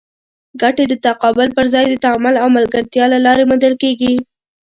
ګټې د تقابل پر ځای د تعامل او ملګرتیا له لارې موندل کېږي.